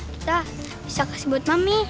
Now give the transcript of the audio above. kita bisa kasih buat mami